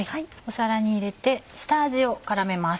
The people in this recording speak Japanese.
皿に入れて下味を絡めます。